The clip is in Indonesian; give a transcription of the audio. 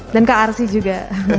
dan kak arsy juga